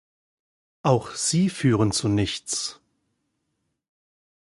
Auch sie führen zu nichts.